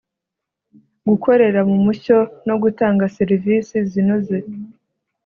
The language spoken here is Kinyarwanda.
gukorera mu mucyo no gutanga serivisi zinoze